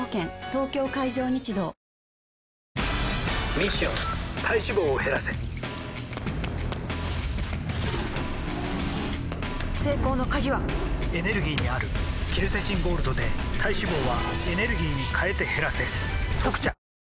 東京海上日動ミッション体脂肪を減らせ成功の鍵はエネルギーにあるケルセチンゴールドで体脂肪はエネルギーに変えて減らせ「特茶」